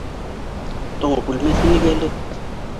Туңып үлмәҫ инек әле.